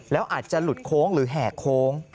แล้วอาจจะหลุดโค้งหรือแห่โค้ง